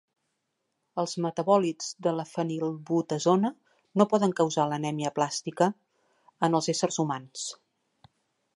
Els metabòlits de la fenilbutazona no poden causar l'anèmia aplàstica en els éssers humans.